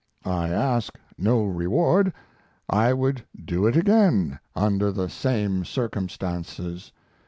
I ask no reward. I would do it again under the same circumstances.